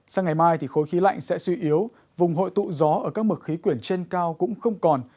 sang ngày mai thì khối khí lạnh sẽ suy yếu vùng hội tụ gió ở các mực khí quyển trên cao cũng không còn